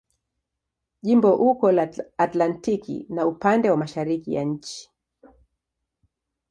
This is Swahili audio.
Jimbo uko la Atlantiki na upande wa mashariki ya nchi.